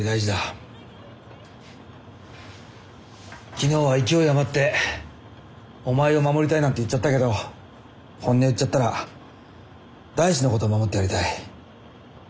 昨日は勢い余ってお前を守りたいなんて言っちゃったけど本音言っちゃったら大志のことを守ってやりたい。